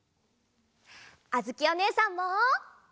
あづきおねえさんも。